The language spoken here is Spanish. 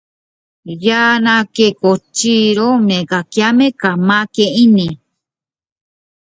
Stans, usando un cuchillo prehistórico, ataca a otro pero termina muerto.